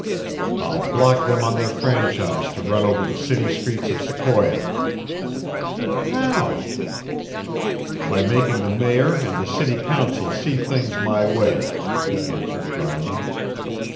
"I'll block them on their franchise to run over the city streets of Sequoia." "How?" "By making the mayor and the city council see things my way," he answered dryly.